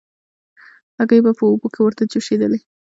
هګۍ به په اوبو کې ورته جوشېدلې.